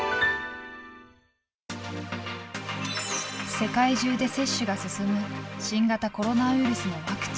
世界中で接種が進む新型コロナウイルスのワクチン。